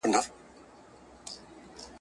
زه پرون پلان جوړوم وم!.